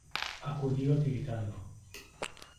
acudió tiritando :